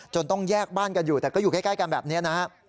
ต้องแยกบ้านกันอยู่แต่ก็อยู่ใกล้กันแบบนี้นะฮะ